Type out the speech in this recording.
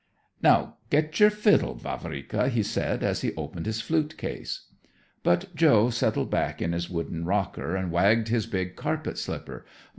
"Now get your fiddle, Vavrika," he said as he opened his flute case. But Joe settled back in his wooden rocker and wagged his big carpet slipper.